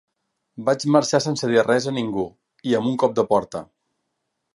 Vaig marxar sense dir res a ningú i amb un cop de porta.